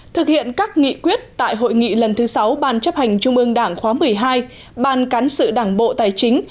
thực hiện các nghị quyết tại hội nghị lần thứ sáu ban chấp hành trung ương đảng khóa một mươi hai ban cán sự đảng bộ tài chính